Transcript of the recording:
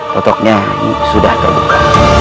totoknya sudah terluka